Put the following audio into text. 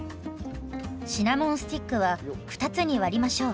シナモンスティックは２つに割りましょう。